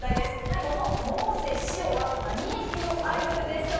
この百瀬志生は何駅のアイドルでしょう？